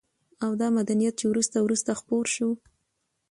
او دا مدنيت چې وروسته وروسته خپور شوى